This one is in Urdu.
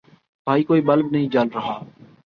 بھائی کوئی بلب نہیں جل رہا